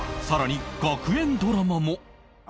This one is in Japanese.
さらに学園ドラマも